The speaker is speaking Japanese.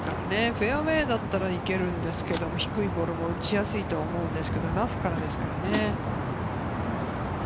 フェアウエーだったら行けるんですけれど、低いボールも打ちやすいと思うんですけれど、ラフからですからね。